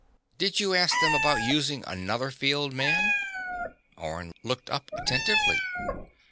"Did you ask them about using another field man?" Orne looked up attentively.